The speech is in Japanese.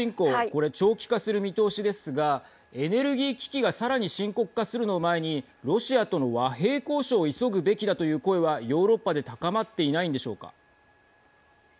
これ、長期化する見通しですがエネルギー危機がさらに深刻化するのを前にロシアとの和平交渉を急ぐべきだという声はヨーロッパで高まっていないんでしょうか。